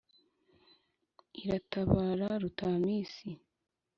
Irabatabara Rutamisi